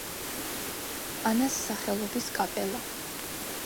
ანას სახელობის კაპელა.